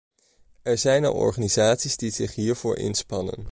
Er zijn al organisaties die zich hiervoor inspannen.